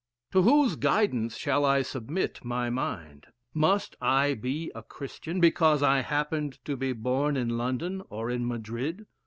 To whose guidance shall I submit my mind? Must I be a Christian, be cause I happened to be born in London, or in Madrid?